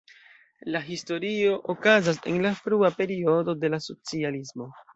La historio okazas en la frua periodo de la socialismo.